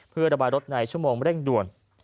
เพื่อระบายรถในชั่วโมงเร่งด่วน